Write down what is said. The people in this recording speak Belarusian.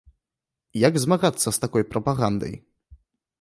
Як змагацца з такой прапагандай?